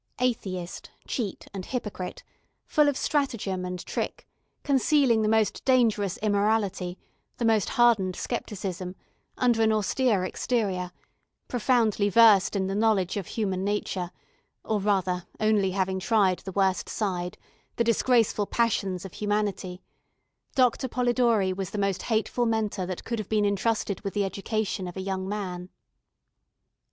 Atheist, cheat, and hypocrite, full of stratagem and trick, concealing the most dangerous immorality, the most hardened scepticism, under an austere exterior, profoundly versed in the knowledge of human nature, or, rather, only having tried the worst side, the disgraceful passions of humanity, Doctor Polidori was the most hateful Mentor that could have been entrusted with the education of a young man.